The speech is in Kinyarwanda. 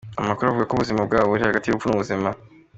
Amakuru avuga ko ubuzima bwabo buri hagati y’urupfu n’ubuzima.